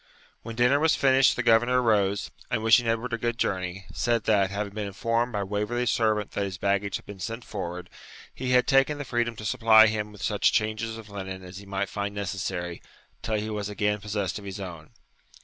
When dinner was finished the governor arose, and, wishing Edward a good journey, said that, having been informed by Waverley's servant that his baggage had been sent forward, he had taken the freedom to supply him with such changes of linen as he might find necessary till he was again possessed of his own.